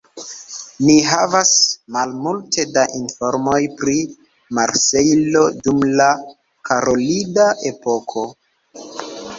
Ni havas malmulte da informoj pri Marsejlo dum la karolida epoko.